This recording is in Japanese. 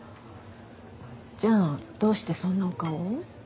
じゃあどうしてそんなお顔を？